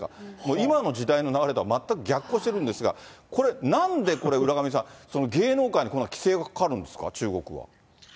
今の時代の流れとは全く逆行してるんですが、これ、なんでこれ、浦上さん、芸能界に規制がかかるんですか、中国は。